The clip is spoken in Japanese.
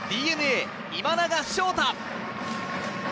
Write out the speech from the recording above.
ＤｅＮＡ、今永昇太！